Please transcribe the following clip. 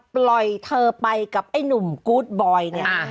ปล่อยเธอไปกับไอ้หนุ่มกู๊ดบอยเนี่ย